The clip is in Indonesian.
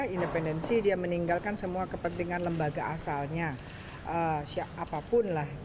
independensi dia meninggalkan semua kepentingan lembaga asalnya siapapun lah